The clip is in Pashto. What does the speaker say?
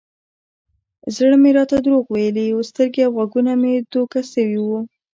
زړه مې راته دروغ ويلي و سترګې او غوږونه مې دوکه سوي وو.